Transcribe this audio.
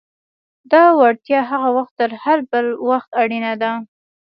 دا وړتیا هغه وخت تر هر بل وخت اړینه ده.